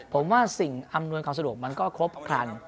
ผมว่าสิ่งอำนวยความสะดวกมันก็ครบครัน